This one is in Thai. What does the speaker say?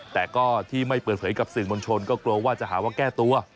แต่ก็ที่ไม่เปิดเผยกับสื่อมวลชนก็กลัวว่าจะหาว่าแก้ตัว